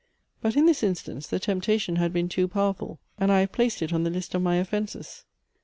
But in this instance the temptation had been too powerful, and I have placed it on the list of my offences.